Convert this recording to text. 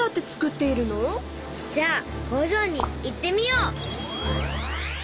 じゃあ工場に行ってみよう！